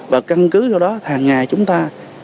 và căn cứ trong đó hàng ngày chúng ta